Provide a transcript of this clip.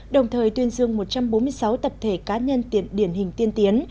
đồng thời tuyên dương một trăm bốn mươi sáu tập thể cá nhân tiền điển hình tiên tiến